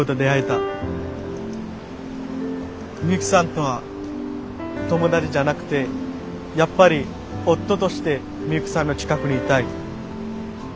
ミユキさんとは友達じゃなくてやっぱり夫としてミユキさんの近くにいたい。